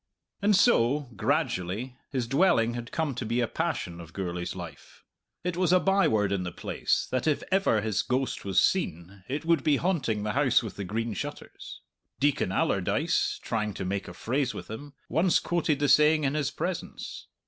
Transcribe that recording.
And so, gradually, his dwelling had come to be a passion of Gourlay's life. It was a by word in the place that if ever his ghost was seen, it would be haunting the House with the Green Shutters. Deacon Allardyce, trying to make a phrase with him, once quoted the saying in his presence.